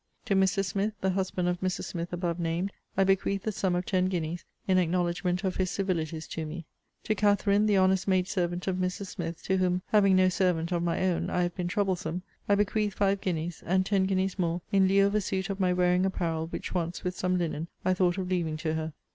To Mr. Smith, the husband of Mrs. Smith above named, I bequeath the sum of ten guineas, in acknowledgement of his civilities to me. To Katharine, the honest maid servant of Mrs. Smith, to whom (having no servant of my own) I have been troublesome, I bequeath five guineas; and ten guineas more, in lieu of a suit of my wearing apparel, which once, with some linen, I thought of leaving to her.